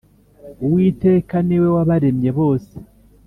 uwiteka ni we wabaremye bose